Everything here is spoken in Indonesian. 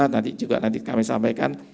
nanti juga nanti kami sampaikan